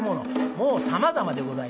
もうさまざまでございます。